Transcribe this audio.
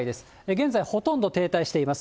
現在、ほとんど停滞しています。